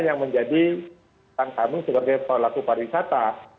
ini yang menjadi tanggung sebagai pelaku pariwisata